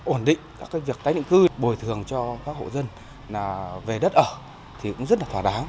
ổn định các việc tái định cư bồi thường cho các hộ dân về đất ở thì cũng rất là thỏa đáng